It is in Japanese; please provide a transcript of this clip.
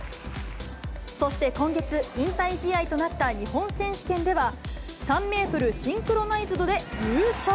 そして今月、引退試合となった日本選手権では、３メートルシンクロナイズドで優勝。